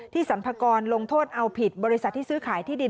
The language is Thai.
สรรพากรลงโทษเอาผิดบริษัทที่ซื้อขายที่ดิน